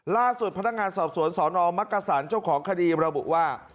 ล่าสุดพนักงานสอบสวนสนมักกษันเจ้าของคดีระบุว่า